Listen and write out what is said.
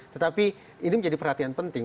tetapi ini menjadi perhatian penting